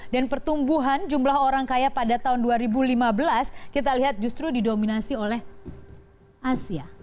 dan pertumbuhan jumlah orang kaya pada tahun dua ribu lima belas kita lihat justru didominasi oleh asia